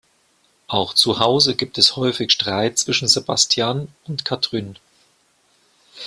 Auch zu Hause gibt es häufig Streit zwischen Sebastian und Kathryn.